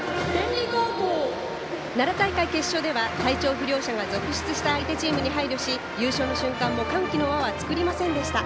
奈良大会決勝では体調不良者が続出した相手チームに配慮し優勝の瞬間も歓喜の輪は作りませんでした。